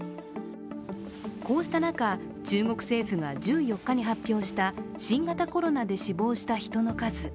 こうした中、中国政府が１４日に発表した新型コロナで死亡した人の数。